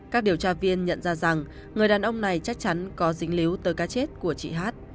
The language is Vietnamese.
các điều tra viên nhận ra rằng người đàn ông này chắc chắn có dính liếu tờ cá chết của chị hát